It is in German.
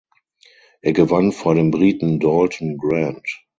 Er gewann vor dem Briten Dalton Grant.